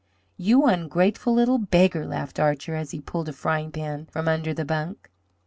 "You ungratefu' little beggar!" laughed Archer, as he pulled a frying pan from under the bunk.